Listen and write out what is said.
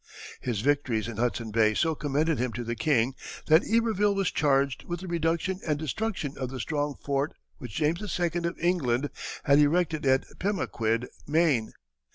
His victories in Hudson Bay so commended him to the king that Iberville was charged with the reduction and destruction of the strong fort which James II. of England had erected at Pemaquid, Maine.